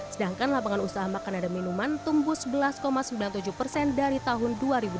sedangkan lapangan usaha makanan dan minuman tumbuh sebelas sembilan puluh tujuh persen dari tahun dua ribu dua puluh